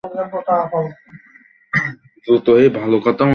আমাদের আরো কাজ করতে হবে।